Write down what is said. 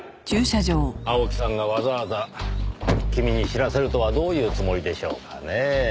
青木さんがわざわざ君に知らせるとはどういうつもりでしょうかねぇ。